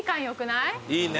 いいね